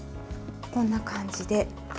こんな感じで。